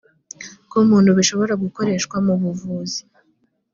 ku muntu bishobora gukoreshwa mu buvuzi